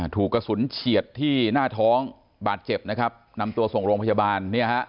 ถูกกระสุนเฉียดที่หน้าท้องบาดเจ็บนะครับนำตัวส่งโรงพยาบาลเนี่ยฮะ